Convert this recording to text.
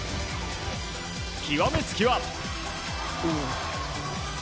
極め付きは。